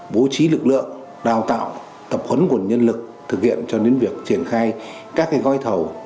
bố trí lực lượng đào tạo tập huấn nguồn nhân lực thực hiện cho đến việc triển khai các gói thầu